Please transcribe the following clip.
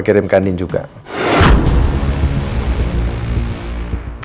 terima kasih sudah nonton